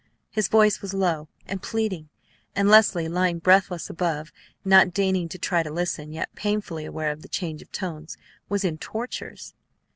His voice was low and pleading; and Leslie, lying breathless above, not deigning to try to listen, yet painfully aware of the change of tones, was in tortures.